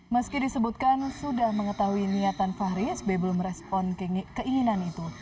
meski disebutkan sudah mengetahui niatan fahri sbi belum respon keinginan itu